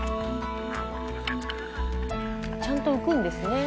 ちゃんと浮くんですね。